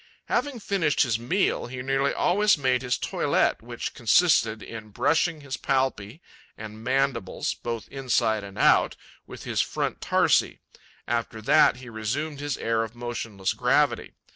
'Having finished his meal, he nearly always made his toilet, which consisted in brushing his palpi and mandibles, both inside and out, with his front tarsi. After that, he resumed his air of motionless gravity.